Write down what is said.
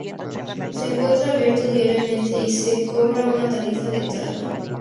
Se encuentra abierto diariamente y se cobra una tarifa de entrada.